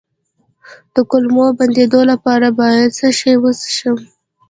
د کولمو د بندیدو لپاره باید څه شی وڅښم؟